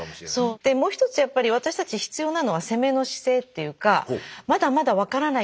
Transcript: でもう一つやっぱり私たち必要なのは攻めの姿勢っていうかまだまだ分からない